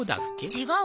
違う！